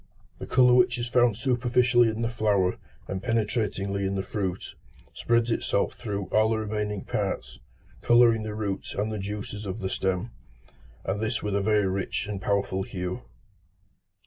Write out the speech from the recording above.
The colour which is found superficially in the flower and penetratingly in the fruit, spreads itself through all the remaining parts, colouring the roots and the juices of the stem, and this with a very rich and powerful hue.